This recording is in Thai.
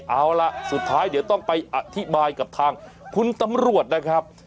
เอาล่ะสุดท้ายเดี๋ยวต้องไปอธิบายกับทางคุณตำรวจนะครับ